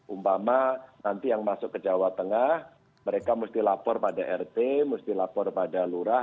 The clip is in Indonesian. umpama nanti yang masuk ke jawa tengah mereka mesti lapor pada rt mesti lapor pada lurah